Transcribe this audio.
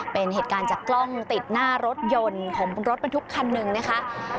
เป็นเหตุการณ์จากกล้องติดหน้ารถยนต์ของรถบรรทุกคันหนึ่งนะคะ